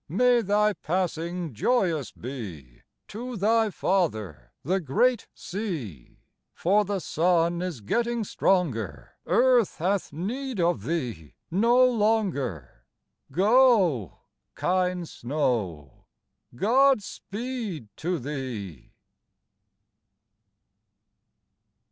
May thy passing joyous be To thy father, the great sea, For the sun is getting stronger; Earth hath need of thee no longer; Go, kind snow, God speed to thee!